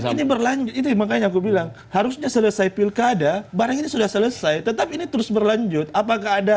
ini berlanjut itu makanya aku bilang harusnya selesai pilkada barang ini sudah selesai tetapi ini terus berlanjut apakah ada